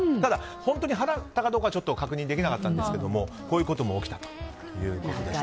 本当に腹立ったか確認できなかったんですがこういうことも起きたということです。